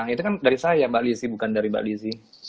itu kan dari saya mba lizzy bukan dari mba lizzy